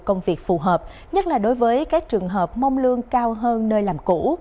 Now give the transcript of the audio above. không có công việc phù hợp nhất là đối với các trường hợp mông lương cao hơn nơi làm cũ